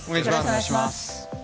お願いします。